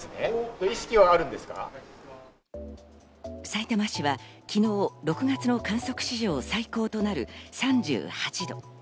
さいたま市は昨日、６月の観測史上最高となる３８度。